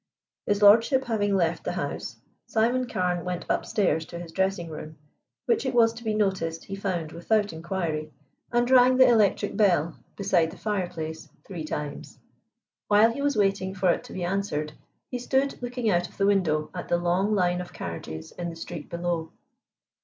His lordship having left the house, Simon Carne went upstairs to his dressing room, which it was to be noticed he found without inquiry, and rang the electric bell, beside the fireplace, three times. While he was waiting for it to be answered he stood looking out of the window at the long line of carriages in the street below.